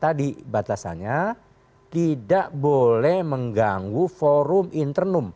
tadi batasannya tidak boleh mengganggu forum internum